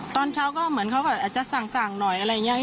ตอนเช้าก็เหมือนเขาก็อาจจะสั่งหน่อยอะไรอย่างนี้